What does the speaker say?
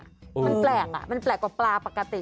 มันแปลกอ่ะมันแปลกกว่าปลาปกติ